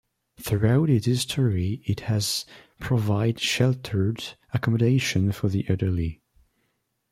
Throughout its history it has provided sheltered accommodation for the elderly.